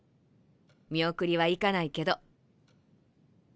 見送りは行かないけど。